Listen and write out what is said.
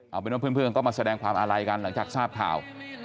เอาเป็นว่าเพื่อนก็มาแสดงความอาลัยกันหลังจากทราบข่าว